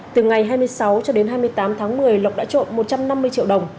từ ngày hai mươi sáu cho đến hai mươi tám tháng một mươi lộc đã trộm một trăm năm mươi triệu đồng